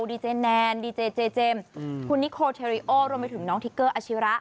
ดีเจแนนดีเจเจเจมส์คุณนิโคเทริโอรวมไปถึงน้องทิกเกอร์อาชิระ